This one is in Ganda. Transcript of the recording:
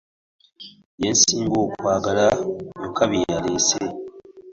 Bye nsinga okwagala byokka bye yaleese.